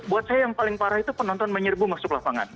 buat saya yang paling parah itu penonton menyerbu masuk lapangan